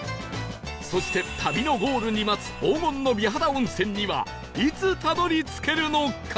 そして旅のゴールに待つ黄金の美肌温泉にはいつたどり着けるのか？